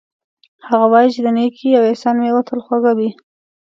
هغه وایي چې د نیکۍ او احسان میوه تل خوږه وي